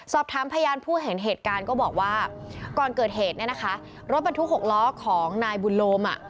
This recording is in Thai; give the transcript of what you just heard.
สอบถามพยานผู้เห็นเหตุการณ์ก็บอกว่าก่อนเกิดเหตุเนี่ยนะคะรถบรรทุก๖ล้อของนายบุญโลมอ่ะ